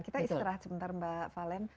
kita istirahat sebentar mbak valen